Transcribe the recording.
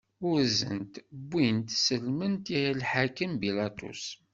Urzen-t, wwin-t, sellmen-t i lḥakem Bilaṭus.